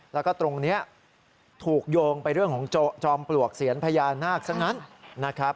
แล้วก็ตรงนี้ถูกโยงไปเรื่องของจอมปลวกเซียนพญานาคซะงั้นนะครับ